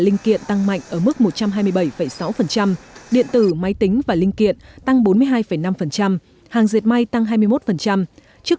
linh kiện tăng mạnh ở mức một trăm hai mươi bảy sáu điện tử máy tính và linh kiện tăng bốn mươi hai năm hàng diệt may tăng hai mươi một trước